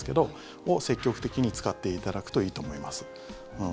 それを積極的に使っていただくといいと思います。